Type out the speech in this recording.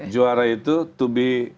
juara itu to be